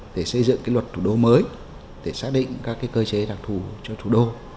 để xây dựng luật thủ đô mới để xác định các cơ chế đặc thù cho thủ đô